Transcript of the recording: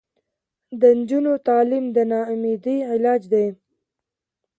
د نجونو تعلیم د ناامیدۍ علاج دی.